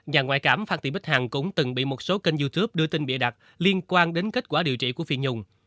nhà ngoại cảm phan tị bích hằng cũng từng bị một số kênh youtube đưa tin bịa đặt liên quan đến kết quả điều trị của phiền nhung